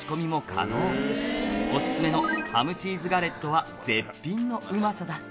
「お薦めのハムチーズガレットは絶品のうまさだ」